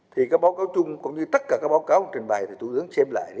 thì các báo cáo chung cũng như tất cả các báo cáo trình bày thì tụi dưỡng xem lại